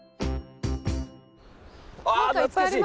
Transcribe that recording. あ懐かしい！